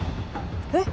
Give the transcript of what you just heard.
えっ！